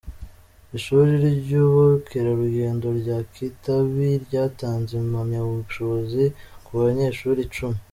Ishuri ry’ubukerarugendo rya Kitabi ryatanze impamyabushobozi ku banyeshuri icumi